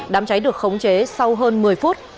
đám cháy được khống chế sau hơn một mươi phút